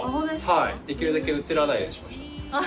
できるだけ映らないようにしました。